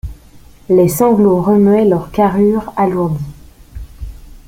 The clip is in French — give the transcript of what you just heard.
Les sanglots remuaient leurs carrures alourdies.